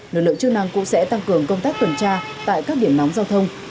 lực lượng chức năng cũng sẽ tăng cường công tác tuần tra tại các điểm nóng giao thông